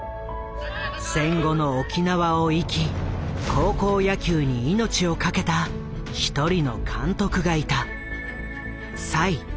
戦後の沖縄を生き高校野球に命を懸けた一人の監督がいた。